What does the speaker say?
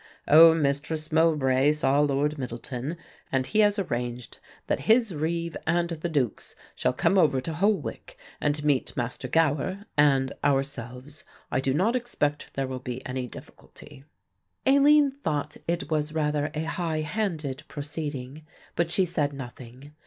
"Oh, Mistress Mowbray saw Lord Middleton, and he has arranged that his reeve and the Duke's shall come over to Holwick and meet Master Gower and ourselves. I do not expect there will be any difficulty." Aline thought it was rather a high handed proceeding, but she said nothing.